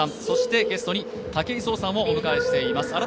そしてゲストに武井壮さんをお迎えしています。